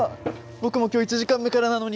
僕も今日１時間目からなのに！